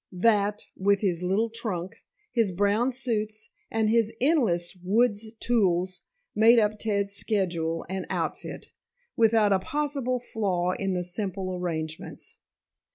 That, with his little trunk, his brown suits and his endless wood's tools, made up Ted's schedule and outfit, without a possible flaw in the simple arrangements.